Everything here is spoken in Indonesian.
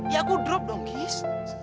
ya aku drop dong gis